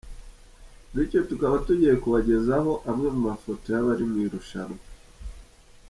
Bityo tukaba tugiye kubagezaho amwe mu mafoto y’abari mu irushanwa.